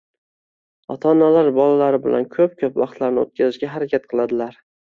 ota-onalar bolalari bilan ko‘p-ko‘p vaqtlarini o‘tkazishga harakat qiladilar.